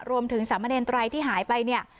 รวมถึงสามะเนรไตรที่หายไปเนี่ย